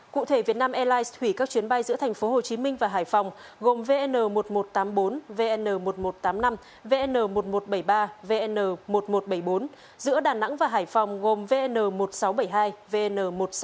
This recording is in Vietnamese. cụ thể việt nam airlines thủy các chuyến bay giữa thành phố hồ chí minh và hải phòng gồm vn một nghìn một trăm tám mươi bốn vn một nghìn một trăm tám mươi năm vn một nghìn một trăm bảy mươi ba vn một nghìn một trăm bảy mươi bốn giữa đà nẵng và hải phòng gồm vn một nghìn sáu trăm bảy mươi hai vn một nghìn sáu trăm bảy mươi ba